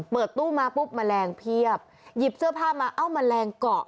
เปิดตู้มาปุ๊บแมลงเพียบหยิบเสื้อผ้ามาเอ้าแมลงเกาะ